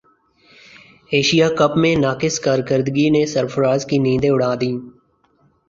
Asia cup میں ناقص کارکردگی نے سرفراز کی نیندیں اڑا دیں